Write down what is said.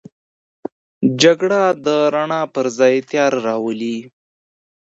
جګړه د رڼا پر ځای تیاره راولي